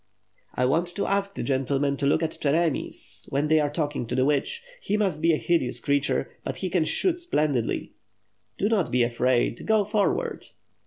"I want to ask the gentlemen to look at Cheremis, when they are talking to the witch. He must be a hideous creature. But he can shoot splendidly." * Do not be afraid — ^go forward!"